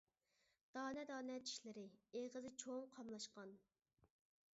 دانە دانە چىشلىرى، ئېغىزى چوڭ قاملاشقان.